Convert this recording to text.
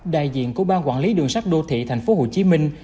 đại diện của ban quản lý đường sắt đô thị thành phố hồ chí minh